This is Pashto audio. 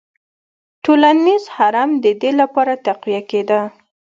ټولنیز هرم د دې لپاره تقویه کېده.